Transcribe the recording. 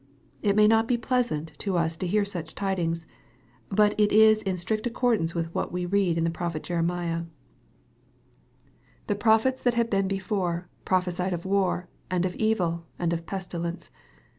It may not be pleasan 4 , to us to hear such tidings. But it is in strict accordance with what we read in the prophet Jeremiah : 276 EXPOSITORY THOUGHTS. " The prophets that have been before, prophesied of war, and of evil, and of pestilence.